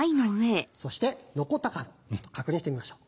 そして残ったカード確認してみましょう。